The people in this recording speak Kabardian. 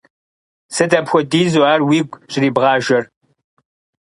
Сыт апхуэдизу ар уигу щӀрибгъажэр?